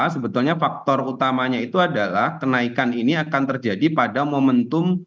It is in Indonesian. sebetulnya faktor utamanya itu adalah kenaikan ini akan terjadi pada momentum